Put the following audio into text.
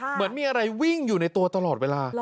เหมือนมีอะไรวิ่งอยู่ในตัวตลอดเวลา